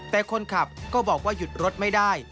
แต่คนขับก็บอกว่าหยุดรถไม่ได้